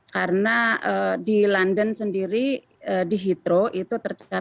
karena di london sendiri di heathrow itu tercatat tiga belas nyawa